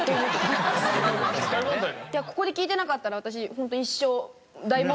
ここで聴いてなかったら私ホント。